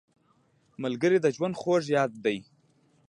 ملګری د ژوند خوږ یاد دی